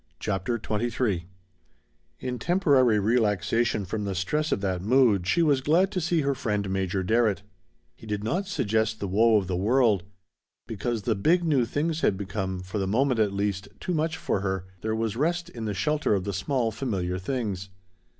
CHAPTER XXIII In temporary relaxation from the stress of that mood she was glad to see her friend Major Darrett. He did not suggest the woe of the world. Because the big new things had become for the moment, at least too much for her, there was rest in the shelter of the small familiar things.